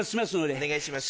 お願いします。